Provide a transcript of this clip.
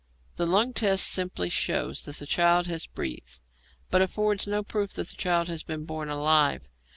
The lung test simply shows that the child has breathed, but affords no proof that the child has been born alive.